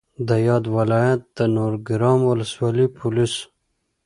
د یاد ولایت د نورګرام ولسوالۍ پولیسو